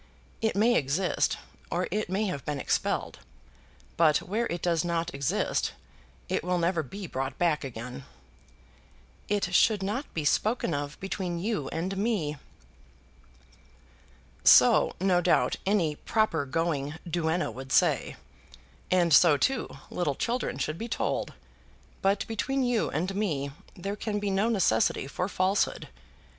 It may exist, or it may have been expelled; but where it does not exist, it will never be brought back again." "It should not be spoken of between you and me." "So, no doubt, any proper going duenna would say, and so, too, little children should be told; but between you and me there can be no necessity for falsehood.